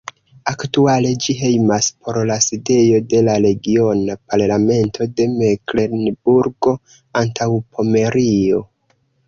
Aktuale ĝi hejmas por la sidejo de la Regiona Parlamento de Meklenburgo-Antaŭpomerio.